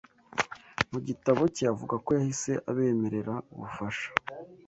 mu gitabo cye avuga ko yahise abemerera ubufasha